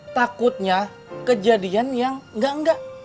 takutnya kejadian yang enggak enggak